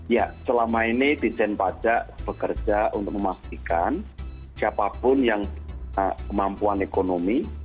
ya selama ini dijen pajak bekerja untuk memastikan siapapun yang kemampuan ekonomi